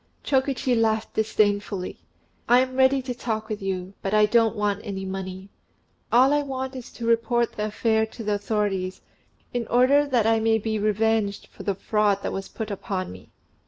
Chokichi laughed disdainfully. "I am ready to talk with you; but I don't want any money. All I want is to report the affair to the authorities, in order that I may be revenged for the fraud that was put upon me."